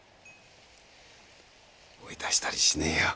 追い出したりしねえよ